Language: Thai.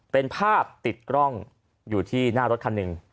เป็นภาพติดกล้องอยู่ที่หน้ารถคันหนึ่ง